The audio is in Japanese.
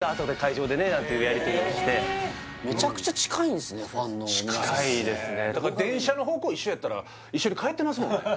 「じゃああとで会場でね」なんていうやりとりをしてめちゃくちゃ近いんですねファンのみなさんとねだから電車の方向一緒やったら一緒に帰ってますもんね